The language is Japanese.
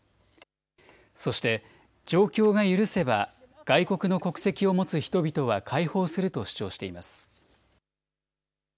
そして状況が許せば外国の国籍を持つ人々は解放すると主張しています。